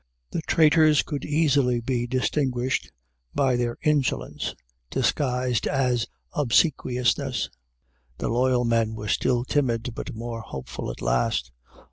The traitors could easily be distinguished by their insolence disguised as obsequiousness. The loyal men were still timid, but more hopeful at last.